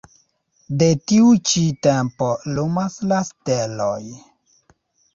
De tiu ĉi tempo lumas la steloj.